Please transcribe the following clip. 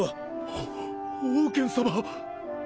オオウケン様。